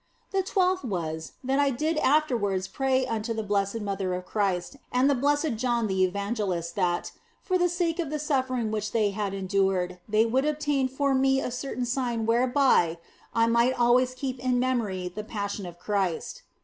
The twelfth was, that I did afterwards pray unto the Blessed Mother of Christ and the Blessed John the 8 THE BLESSED ANGELA Evangelist that (for the sake of the suffering which they had endured), they would obtain for me a certain sign whereby I might always keep in memory the Passion of Christ.